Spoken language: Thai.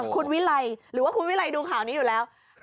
คุณวิไลหรือว่าคุณวิรัยดูข่าวนี้อยู่แล้ว